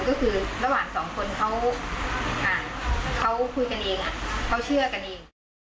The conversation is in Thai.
ก็คือระหว่างสองคนเขาคุยกันเองเขาเชื่อกันเอง